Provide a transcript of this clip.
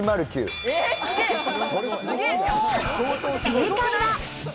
正解は。